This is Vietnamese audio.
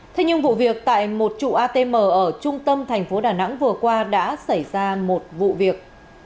thế nhưng vụ việc tại một trụ atm ở trung tâm thành phố đà nẵng vừa qua đã xảy ra một vụ việc